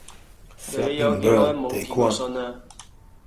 你有幾耐無寄過信啊